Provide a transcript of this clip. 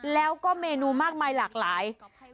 แล้วก็เมนูมากมายหลากหลาย